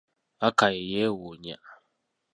Akai yeewuunya!